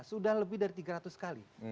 sudah lebih dari tiga ratus kali